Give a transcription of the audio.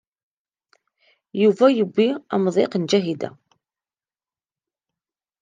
Yuba yewwi amḍiq n Ǧahida.